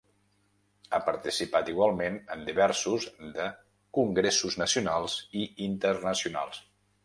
Ha participat igualment en diversos de congressos nacionals i internacionals.